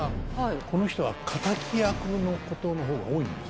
この人は敵役のことの方が多いんです。